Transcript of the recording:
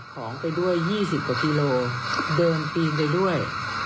ของไปด้วยยี่สิบกว่ากิโลกรัมเดินปีนไปด้วย